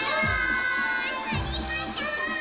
ありがとう！